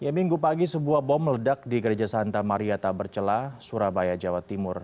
ya minggu pagi sebuah bom ledak di gereja santa maria tabercela surabaya jawa timur